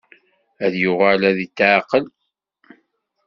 Ad yuɣal ad itεeqqel.